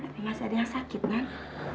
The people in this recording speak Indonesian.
tapi masih ada yang sakit kan